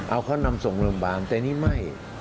เอาเขานำส่งโรงพยาบาลแต่นี่ไม่